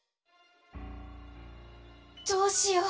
どうしよう？